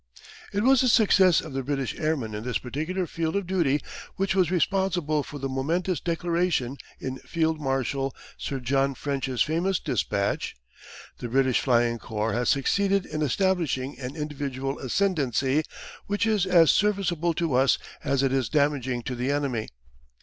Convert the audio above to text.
It was the success of the British airmen in this particular field of duty which was responsible for the momentous declaration in Field Marshal Sir John French's famous despatch: "The British Flying Corps has succeeded in establishing an individual ascendancy, which is as serviceable to us as it is damaging to the enemy....